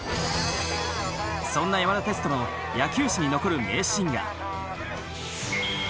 そんな山田哲人の野球史に残る名シーンが。